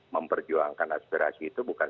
memperjuangkan aspirasi itu bukan